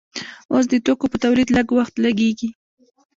اوس د توکو په تولید لږ وخت لګیږي.